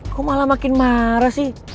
aku malah makin marah sih